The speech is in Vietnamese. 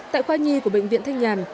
tại khoa nhi của bệnh viện thanh nhàn